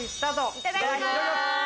いただきます！